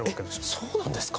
えっそうなんですか？